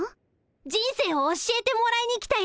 人生を教えてもらいに来たよ。